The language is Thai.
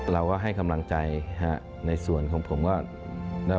เราก็ให้กำลังใจฮะในส่วนของผมก็